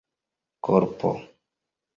korpo